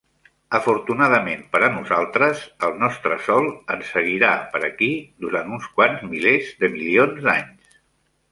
Afortunadament per a nosaltres, el nostre sol en seguirà per aquí durant uns quants milers de milions d'anys.